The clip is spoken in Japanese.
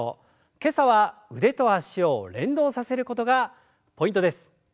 今朝は腕と脚を連動させることがポイントです。